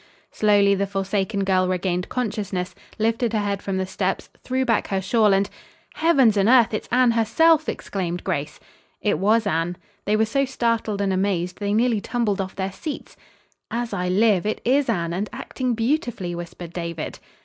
Slowly the forsaken girl regained consciousness, lifted her head from the steps, threw back her shawl, and "Heavens and earth, it's Anne herself!" exclaimed Grace. It was Anne. They were so startled and amazed they nearly tumbled off their seats. "As I live, it is Anne, and acting beautifully!" whispered David.